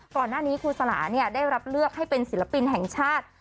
ก่อนหน้านี้ครูสลาได้รับเลือกให้เป็นศิลปินแห่งชาติ